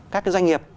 các cái doanh nghiệp